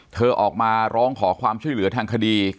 เธอออกมาร้องขอความช่วยเหลือทางคดี